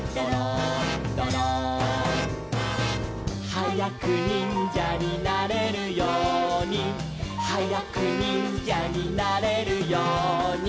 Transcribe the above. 「はやくにんじゃになれるように」「はやくにんじゃになれるように」